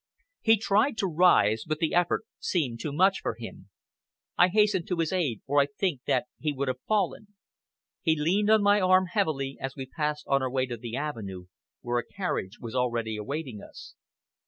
He tried to rise, but the effort seemed too much for him. I hastened to his aid, or I think that he would have fallen. He leaned on my arm heavily as we passed on our way to the avenue, where a carriage was already awaiting us.